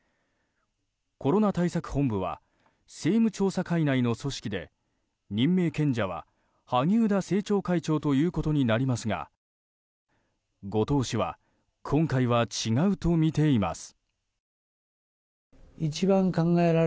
コロナ対策本部は政務調査会内の組織で、任命権者は萩生田政調会長ということになりますが後藤氏は今回は違うとみています。